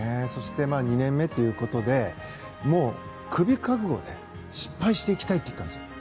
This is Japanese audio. ２年目ということでクビ覚悟で失敗していきたいって言ったんですよ。